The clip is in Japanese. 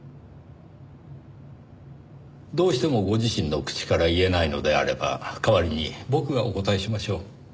どうしてもご自身の口から言えないのであれば代わりに僕がお答えしましょう。